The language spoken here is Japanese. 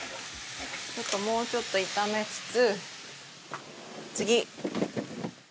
ちょっともうちょっと炒めつつ。